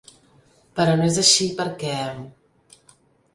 Però no és així, perquè...